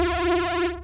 menunggu sampe kapan nih